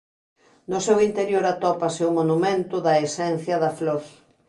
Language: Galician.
No seu interior atópase o Monumento da esencia da flor.